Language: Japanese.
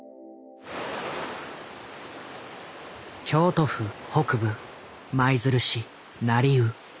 京都府北部舞鶴市成生。